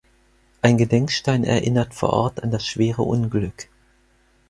Ein Gedenkstein erinnert vor Ort an das schwere Unglück.